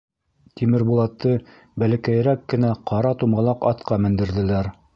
Тимербулатты бәләкәйерәк кенә ҡара тумалаҡ атҡа мендерҙеләр.